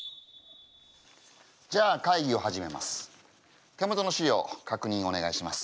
じゃあ会議を始めます。